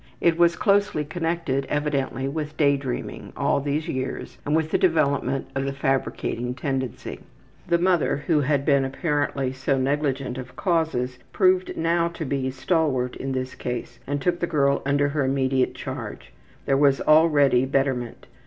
It was closely connected evidently with day dreaming all these years and with the development of the fabricating tendency. The mother who had been apparently so negligent of causes proved now to be a stalwart in this case and took the girl under her immediate charge. There was steady betterment.